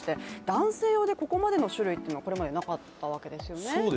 男性用でここまでの種類ってここまでなかったわけですよね。